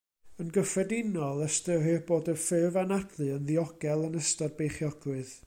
Yn gyffredinol, ystyrir bod y ffurf anadlu yn ddiogel yn ystod beichiogrwydd.